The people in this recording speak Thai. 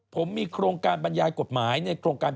ผมมีโครงการบรรยายกฎหมายในโครงการ